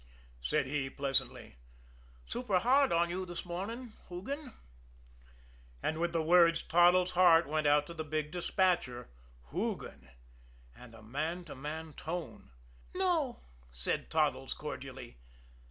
said he pleasantly. "Super hard on you this morning Hoogan?" And with the words Toddles' heart went out to the big despatcher: "Hoogan" and a man to man tone. "No," said Toddles cordially.